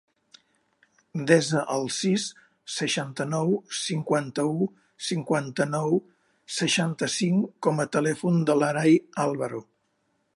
Desa el sis, seixanta-nou, cinquanta-u, cinquanta-nou, seixanta-cinc com a telèfon de l'Aray Alvaro.